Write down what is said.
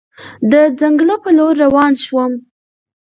د ځنګله په لور روان شوم.